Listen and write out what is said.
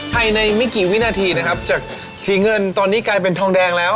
ในไม่กี่วินาทีนะครับจากสีเงินตอนนี้กลายเป็นทองแดงแล้ว